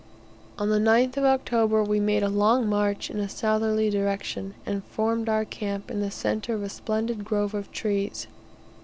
On the 9th of October we made a long march in a southerly direction, and formed our camp in the centre of a splendid grove of trees.